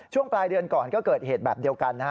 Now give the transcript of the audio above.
ช่วงปลายเดือนก่อนก็เกิดเหตุแบบเดียวกันนะฮะ